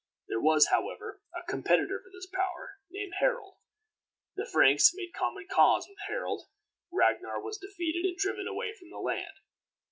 There was, however, a competitor for this power, named Harald. The Franks made common cause with Harald. Ragnar was defeated and driven away from the land.